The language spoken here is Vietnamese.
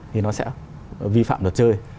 thì nó sẽ vi phạm luật chơi